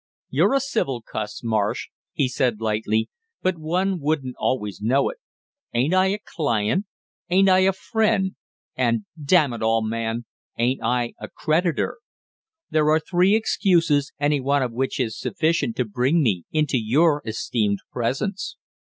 "You're a civil cuss, Marsh," he said lightly, "but one wouldn't always know it. Ain't I a client, ain't I a friend, and damn it all, man, ain't I a creditor? There are three excuses, any one of which is: sufficient to bring me into your esteemed presence!"